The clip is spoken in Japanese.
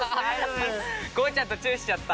ゴーちゃん。とチューしちゃった。